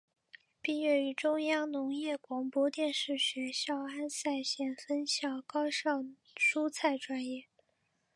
毕业于中央农业广播电视学校安塞县分校高效蔬菜专业。